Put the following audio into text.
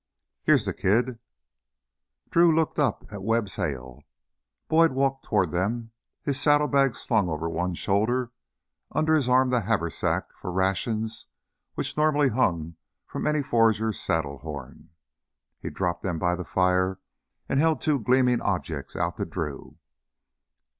"Heah's th' kid " Drew looked up at Webb's hail. Boyd walked toward them, his saddlebags slung over one shoulder, under his arm the haversack for rations which normally hung from any forager's saddle horn. He dropped them by the fire and held two gleaming objects out to Drew.